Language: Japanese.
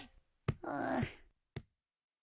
うん。